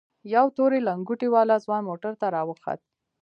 يو تورې لنگوټې والا ځوان موټر ته راوخوت.